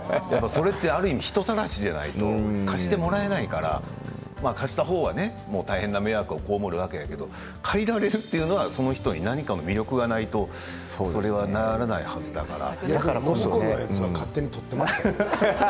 ある意味、人たらしじゃないと貸してもらえないから貸したほうは大変な迷惑を被るわけやけど借りられるというのはその人に何か魅力がないとそれは、ならないはずだから。